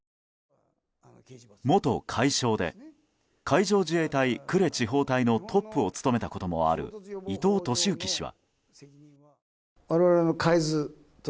元海将で海上自衛隊呉地方隊のトップを務めたこともある伊藤俊幸氏は。